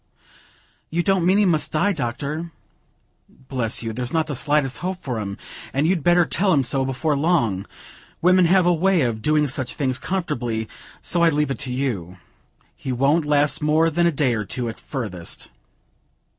"You don't mean he must die, Doctor?" "Bless you, there's not the slightest hope for him; and you'd better tell him so before long; women have a way of doing such things comfortably, so I leave it to you. He won't last more than a day or two, at furthest."